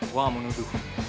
gue gak mau nunggu